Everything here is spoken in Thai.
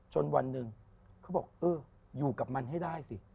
วันหนึ่งเขาบอกเอออยู่กับมันให้ได้สิ